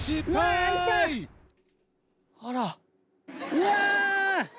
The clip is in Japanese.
うわ！